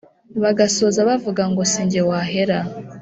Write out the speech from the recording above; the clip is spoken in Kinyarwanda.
bagasoza bavuga ngo si ge wahera